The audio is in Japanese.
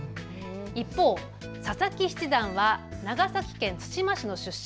一方、佐々木七段は長崎県対馬市の出身。